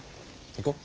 行こう。